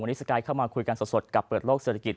วันนี้สกายเข้ามาคุยกันสดกับเปิดโลกเศรษฐกิจ